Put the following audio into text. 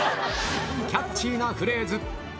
キャッチーなフレーズ。